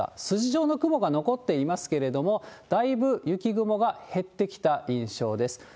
筋状の雲が残っていますけれども、だいぶ雪雲が減ってきた印象です。